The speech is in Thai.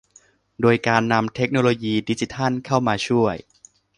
โดยการนำเทคโนโลยีดิจิทัลเข้ามาช่วย